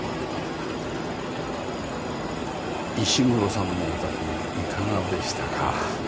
石黒さんのお宅いかがでしたか？